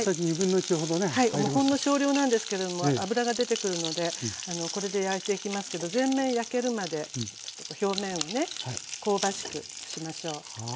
ほんの少量なんですけれども脂が出てくるのでこれで焼いていきますけど全面焼けるまで表面をね香ばしくしましょう。